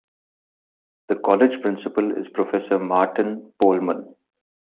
The College Principal is Prof. Martin Pohlmann.